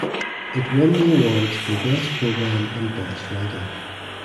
It won the awards for Best Program and Best Writing.